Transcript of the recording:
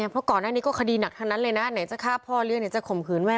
เพราะก่อนหน้านี้ก็คดีหนักทั้งนั้นเลยนะไหนจะฆ่าพ่อเลี้ยงไหนจะข่มขืนแม่